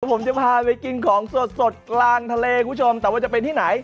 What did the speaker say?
ผมจะพาไปกินของสดสดกลางทะเลคุณผู้ชมแต่ว่าจะเป็นที่ไหน